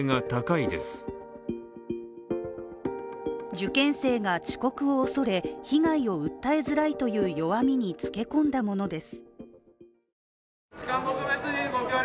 受験生が遅刻を恐れ、被害を訴えづらいという弱みにつけ込んだものです。